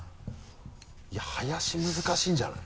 いや「林」難しいんじゃない？